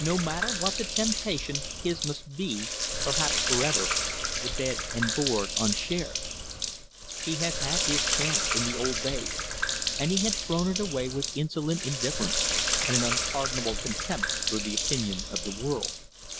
No matter what the temptation, his must be, perhaps for ever, the bed and board unshared. He had had his chance in the old days, and he had thrown it away with insolent indifference, and an unpardonable contempt for the opinion of the world.